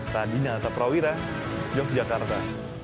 tadi nal taprawira yogyakarta